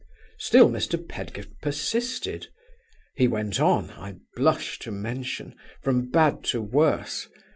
Still Mr. Pedgift persisted. He went on (I blush to mention) from bad to worse.